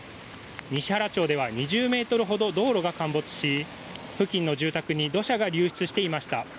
西原町では２０ｍほど道路が陥没し付近の住宅に土砂が流出していました。